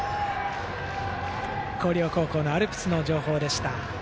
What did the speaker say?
広陵高校のアルプスの情報でした。